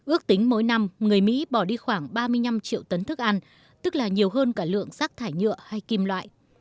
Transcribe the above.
ước tính mỗi năm người mỹ bỏ đi khoảng ba mươi năm triệu tấn thức ăn tức là nhiều hơn cả lượng rác thải nhựa hay kim loại